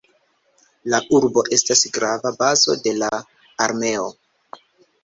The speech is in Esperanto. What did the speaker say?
La urbo estas grava bazo de la armeo.